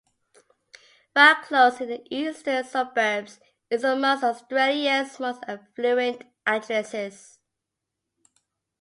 Vaucluse in the eastern suburbs is amongst Australia's most affluent addresses.